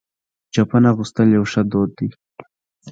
چپن اغوستل یو ښه دود دی.